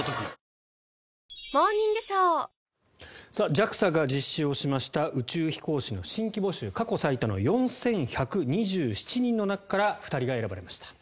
ＪＡＸＡが実施しました宇宙飛行士の新規募集過去最多の４１２７人の中から２人が選ばれました。